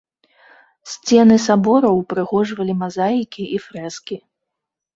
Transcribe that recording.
Сцены сабора ўпрыгожвалі мазаікі і фрэскі.